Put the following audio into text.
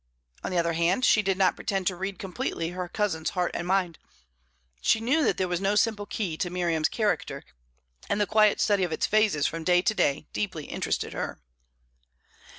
On the other hand, she did not pretend to read completely her cousin's heart and mind; she knew that there was no simple key to Miriam's character, and the quiet study of its phases from day to day deeply interested her.